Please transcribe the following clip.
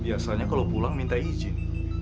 biasanya kalau pulang minta izin